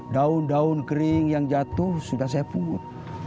daun daun kering yang jatuh sudah saya pungut